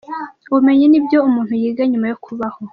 Ubumenyi ni ibyo umuntu yiga nyuma yo kubaho.